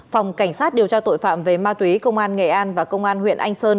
phòng cảnh sát điều tra tội phạm về ma túy công an nghệ an và công an huyện anh sơn